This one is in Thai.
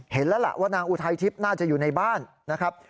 เห็นแล้วล่ะว่านางอุทัยทิพย์น่าจะอยู่ในบ้านนะครับ